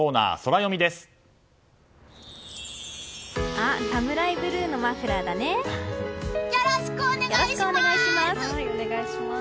よろしくお願いします！